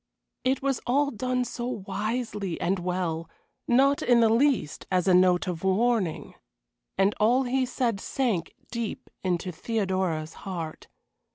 It was all done so wisely and well; not in the least as a note of warning. And all he said sank deep into Theodora's heart.